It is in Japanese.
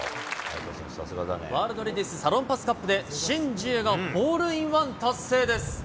ワールドレディスサロンパスカップで、申ジエがホールインワン達成です。